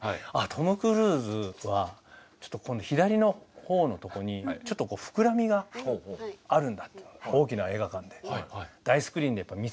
トム・クルーズはちょっとこの左のほおのとこにちょっと膨らみがあるんだというのを大きな映画館で大スクリーンで見つけました。